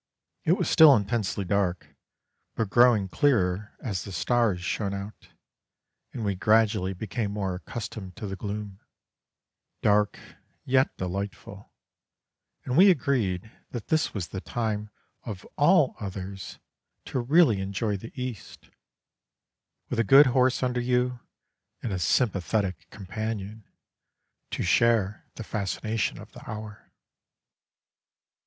It was still intensely dark, but growing clearer as the stars shone out, and we gradually became more accustomed to the gloom; dark yet delightful, and we agreed that this was the time of all others to really enjoy the East, with a good horse under you and a sympathetic companion to share the fascination of the hour.